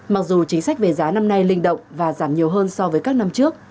mặc dù chính sách về giá năm nay linh động và giảm nhiều hơn so với các năm trước